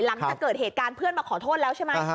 หลังจากเกิดเหตุการณ์เพื่อนมาขอโทษแล้วใช่ไหม